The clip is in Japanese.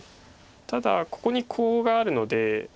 ただここにコウがあるので。